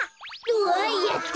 うわやった！